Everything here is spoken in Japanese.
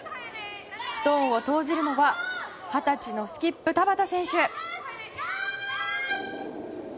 ストーンを投じるのは二十歳のスキップ田畑選手。